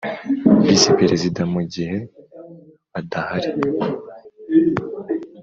Visi Perezida mu gihe badahari;